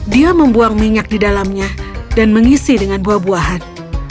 dia membuang minyak di dalamnya dan mengisi dengan buah buahan